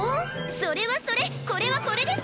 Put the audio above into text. それはそれこれはこれです！